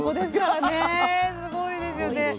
すごいですよね。